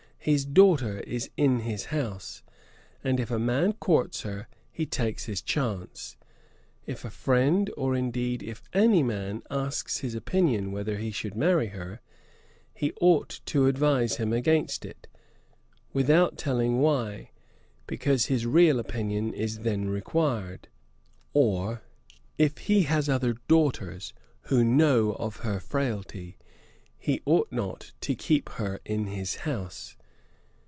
His daughter is in his house; and if a man courts her, he takes his chance. If a friend, or, indeed, if any man asks his opinion whether he should marry her, he ought to advise him against it, without telling why, because his real opinion is then required. Or, if he has other daughters who know of her frailty, he ought not to keep her in his house.